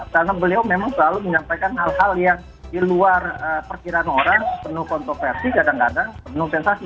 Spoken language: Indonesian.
karena beliau memang selalu menyampaikan hal hal yang di luar perkiraan orang penuh kontroversi kadang kadang penuh sensasi